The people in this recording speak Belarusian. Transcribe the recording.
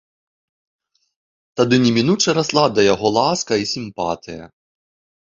Тады немінуча расла да яго ласка і сімпатыя.